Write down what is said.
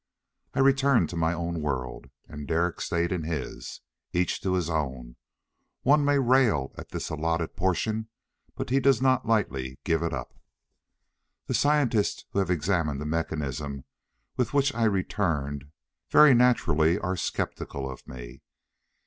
I returned to my own world. And Derek stayed in his. Each to his own; one may rail at this allotted portion but he does not lightly give it up. The scientists who have examined the mechanism with which I returned very naturally are skeptical of me.